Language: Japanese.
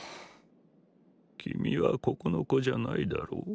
君はここの子じゃないだろう？